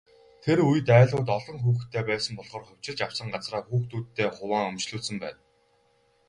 Тэр үед, айлууд олон хүүхэдтэй байсан болохоор хувьчилж авсан газраа хүүхдүүддээ хуваан өмчлүүлсэн байна.